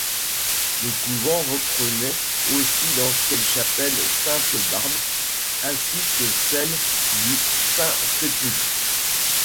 Le couvent reprenait aussi l'ancienne chapelle Sainte-Barbe ainsi que celle du Saint-Sépulcre.